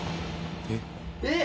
えっ。